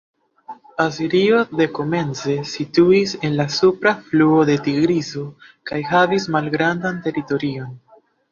Asirio dekomence situis en la supra fluo de Tigriso kaj havis malgrandan teritorion.